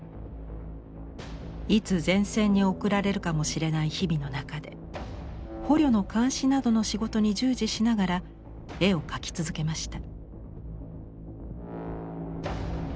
いつ前線に送られるかもしれない日々の中で捕虜の監視などの仕事に従事しながら絵を描き続けました。